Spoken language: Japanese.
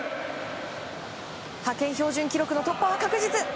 派遣標準記録の突破は確実。